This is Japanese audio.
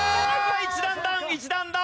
１段ダウン１段ダウン。